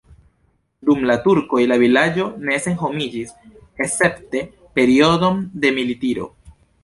Dum la turkoj la vilaĝo ne senhomiĝis, escepte periodon de militiro.